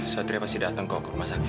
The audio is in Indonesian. satria pasti datang ke rumah sakit